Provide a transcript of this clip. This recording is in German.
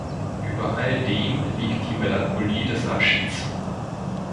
Über all dem liegt die Melancholie des Abschieds.